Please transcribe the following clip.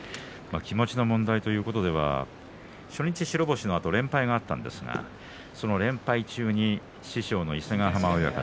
気持ちの問題ということでは初日、白星のあと連敗があったんですがその連敗中に師匠の伊勢ヶ濱親方